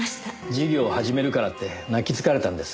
事業を始めるからって泣きつかれたんです。